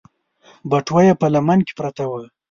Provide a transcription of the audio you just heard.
بټوه يې په لمن کې پرته وه.